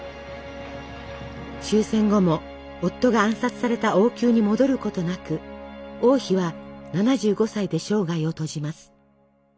終戦後も夫が暗殺された王宮に戻ることなく王妃は７５歳で生涯を閉じます。